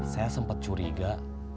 saya sempat curiga